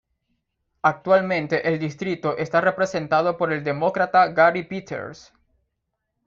Actualmente el distrito está representado por el Demócrata Gary Peters.